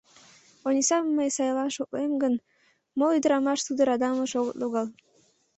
Онисам мый сайлан шотлем гын, моло ӱдырамаш тудо радамыш огыт логал.